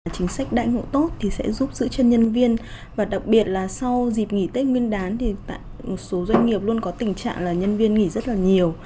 chính sách đại ngộ tốt thì sẽ giúp giữ chân nhân viên và đặc biệt là sau dịp nghỉ tết nguyên đán thì một số doanh nghiệp luôn có tình trạng là nhân viên nghỉ rất là nhiều